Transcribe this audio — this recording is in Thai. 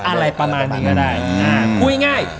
อะไรประมาณนี้ก็ได้คุยง่าย